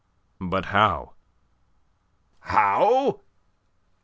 "But how?" "How?